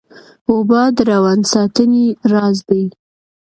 اوبه د روان ساتنې راز دي